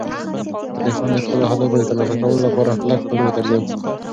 فتح خان د خپلو اهدافو د ترلاسه کولو لپاره کلک هوډ درلود.